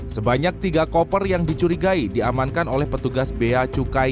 sebanyak tiga koper yang dicurigai diamankan oleh petugas bea cukai